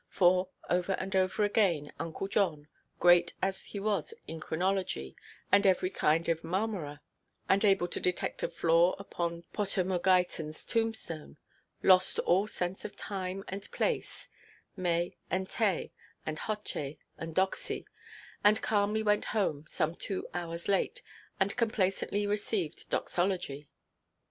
For, over and over again, Uncle John, great as he was in chronology and every kind of "marmora," and able to detect a flaw upon Potamogeitonʼs tombstone, lost all sense of time and place, me and te, and hocce and Doxy, and calmly went home some two hours late, and complacently received Doxology.